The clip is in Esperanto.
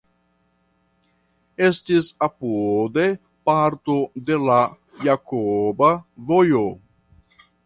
Estis apude parto de la Jakoba Vojo.